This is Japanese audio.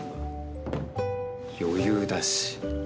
余裕だし。